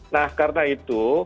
nah karena itu